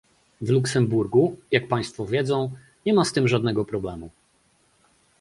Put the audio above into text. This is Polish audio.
W Luksemburgu, jak państwo wiedzą, nie ma z tym żadnego problemu